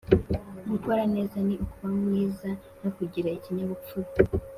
gukora neza ni ukuba mwiza no kugira ikinyabupfura,